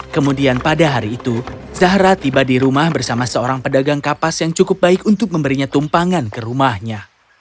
kemudian pada hari itu zahra tiba di rumah bersama seorang pedagang kapas yang cukup baik untuk memberinya tumpangan ke rumahnya